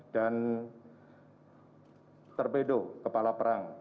dan terbedo kepala perang